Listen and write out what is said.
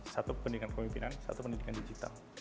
satu pendidikan kepemimpinan satu pendidikan digital